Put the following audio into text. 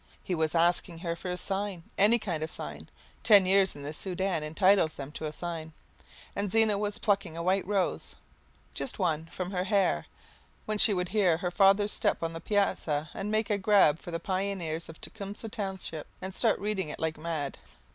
He was asking her for a sign, any kind of sign, ten years in the Soudan entitles them to a sign, and Zena was plucking a white rose, just one, from her hair, when she would hear her father's step on the piazza and make a grab for the Pioneers of Tecumseh Township, and start reading it like mad.